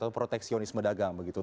atau proteksionisme dagang begitu